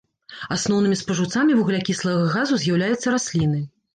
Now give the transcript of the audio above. Асноўнымі спажыўцамі вуглякіслага газу з'яўляюцца расліны.